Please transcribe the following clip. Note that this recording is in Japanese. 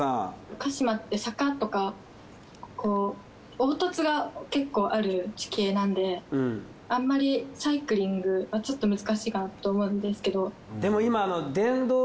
鹿嶋って坂とか凹凸が結構ある地形なんであんまりサイクリングはちょっと難しいかなと思うんですけど。